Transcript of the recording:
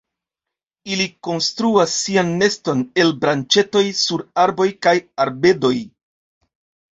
Ili konstruas sian neston el branĉetoj sur arboj kaj arbedoj.